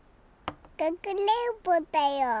かくれんぼだよ！